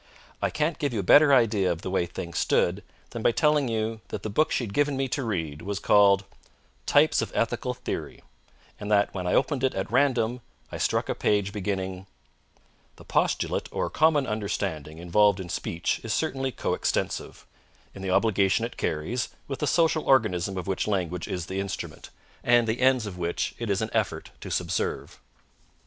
I can't give you a better idea of the way things stood than by telling you that the book she'd given me to read was called "Types of Ethical Theory," and that when I opened it at random I struck a page beginning: _The postulate or common understanding involved in speech is certainly co extensive, in the obligation it carries, with the social organism of which language is the instrument, and the ends of which it is an effort to subserve.